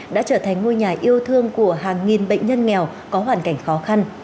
đã trở thành ngôi nhà yêu thương của hàng nghìn bệnh nhân nghèo có hoàn cảnh khó khăn